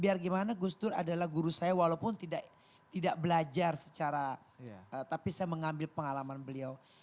biar gimana gus dur adalah guru saya walaupun tidak belajar secara tapi saya mengambil pengalaman beliau